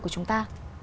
của chúng ta